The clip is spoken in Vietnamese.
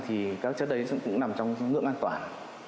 thì các chất đấy cũng nằm trong ngưỡng an toàn